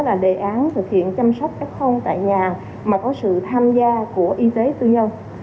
là một đề án thực hiện chăm sóc f tại nhà mà có sự tham gia của y tế tư nhân